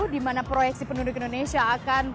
di mana proyeksi penduduk indonesia akan